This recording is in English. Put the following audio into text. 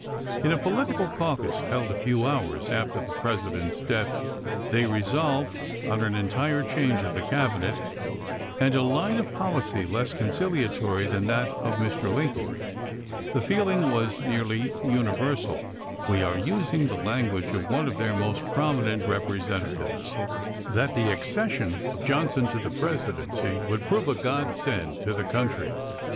In a political caucus, held a few hours after the President's death, they resolved on an entire change of the Cabinet, and a " line of policy less conciliatory than that of Mr. Lincoln ;... the feeling was nearly universal" — we are using the GjSn7* language of one of their most prominent representa 'iteSuej? tives —" that the accession of Johnson to the Presi p!°255. dency would prove a godsend to the country."